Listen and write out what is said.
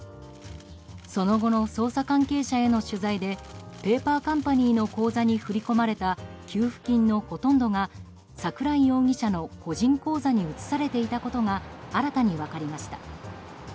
その後の捜査関係者への取材でペーパーカンパニーの口座に振り込まれた給付金のほとんどが桜井容疑者の個人口座に移されていたことが新たに分かりました。